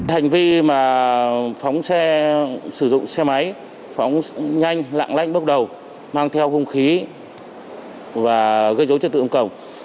hành vi mà phóng xe sử dụng xe máy phóng nhanh lạng lánh bước đầu mang theo không khí và gây dối chất tự công cộng